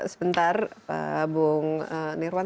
sebentar pak bung nirwan